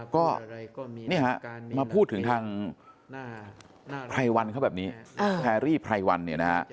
ก็นี่ฮะมาพูดถึงทางไพรวันเขาแบบนี้แพรรี่ไพรวันเนี่ยนะฮะ